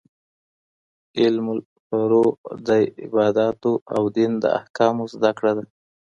علم الفروع د عباداتو او دين د احکامو زده کړه ده.